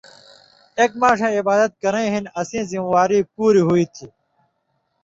ایک ماݜَیں عِبادت کرَیں ہِن اسیں ذمہ واری پُوریۡ ہو تھی۔